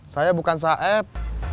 saya bukan saeb